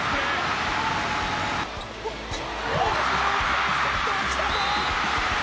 フェイクセットが来たぞ！